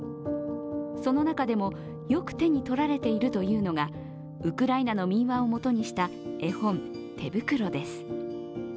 その中でも、よく手に取られているのというのがウクライナの民話を元にした絵本「てぶくろ」です。